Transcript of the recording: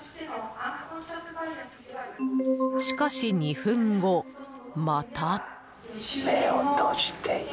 しかし２分後、また。